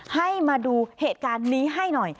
ให้มาดูเหตุการณ์นี้ให้หน่อย